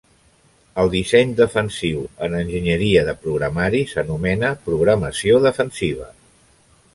El disseny defensiu en enginyeria de programari s'anomena programació defensiva.